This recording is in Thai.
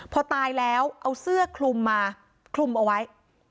พอตายแล้วเอาเสื้อคลุมมาคลุมเอาไว้